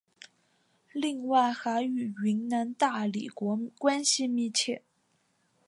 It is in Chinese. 另外还与云南大理国关系密切。